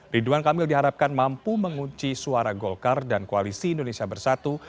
ridwan kamil diharapkan mampu mengunci suara golkar dan koalisi indonesia bersatu